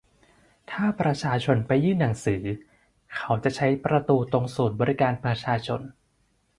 ถ้าประชาชนไปยื่นหนังสือ เขาจะให้ใช้ประตูตรงศูนย์บริการประชาชน